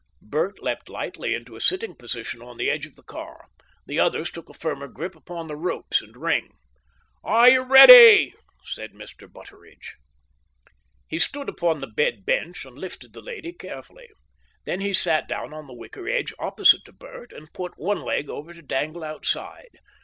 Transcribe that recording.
Bert leapt lightly into a sitting position on the edge of the car. The others took a firmer grip upon the ropes and ring. "Are you ready?" said Mr. Butteridge. He stood upon the bed bench and lifted the lady carefully. Then he sat down on the wicker edge opposite to Bert, and put one leg over to dangle outside.